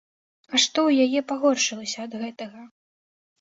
А што ў яе пагоршылася ад гэтага?